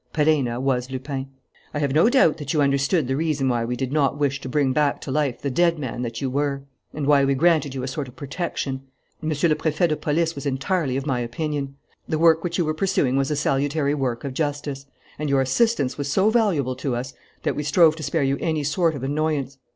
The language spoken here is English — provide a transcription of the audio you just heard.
Perenna was Lupin. "I have no doubt that you understood the reason why we did not wish to bring back to life the dead man that you were, and why we granted you a sort of protection. Monsieur le Préfet de Police was entirely of my opinion. The work which you were pursuing was a salutary work of justice; and your assistance was so valuable to us that we strove to spare you any sort of annoyance.